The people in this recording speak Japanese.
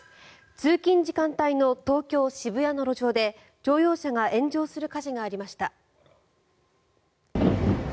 通勤時間帯の東京・渋谷の路上で乗用車が炎上する火事がありました。